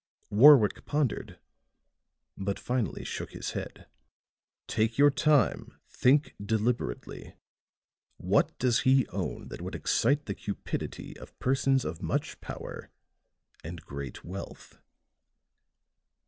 Warwick pondered, but finally shook his head. "Take your time think deliberately. What does he own that would excite the cupidity of persons of much power and great wealth?"